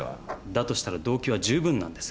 だとしたら動機は十分なんですが。